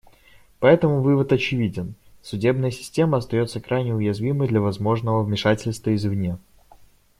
Поэтому вывод очевиден: судебная система остается крайне уязвимой для возможного вмешательства извне.